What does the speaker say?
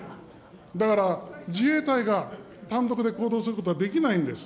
だから、自衛隊が単独で行動することはできないんです。